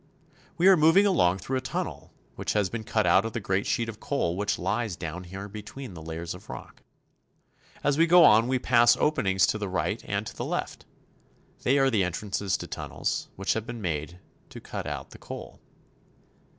We are moving along through a tunnel which has been cut out of the great sheet of coal which lies down here between the layers of rock. As we go on we pass open ings to the right and to the left. They are the entrances to tunnels, which have been made to cut out the coal.